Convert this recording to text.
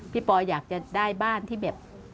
ปอยอยากจะได้บ้านที่แบบ